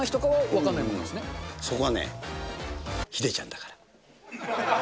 そこはね、ヒデちゃんだから。